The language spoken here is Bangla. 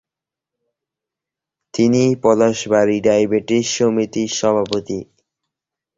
তিনি পলাশবাড়ী ডায়াবেটিস সমিতির সভাপতি।